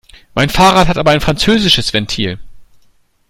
Mein Fahrrad hat aber ein französisches Ventil.